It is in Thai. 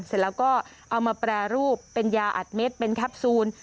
เสร็จแล้วก็เอามาแปรรูปเป็นยาอัดเม็ดเป็นแคปซูล